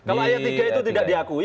kalau ayat tiga itu tidak diakui